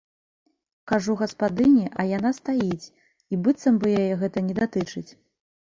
Кажу гаспадыні, а яна стаіць, і быццам бы яе гэта не датычыць.